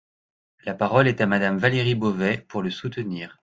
La parole est à Madame Valérie Beauvais, pour le soutenir.